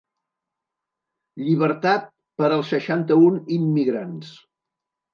Llibertat per als seixanta-un immigrants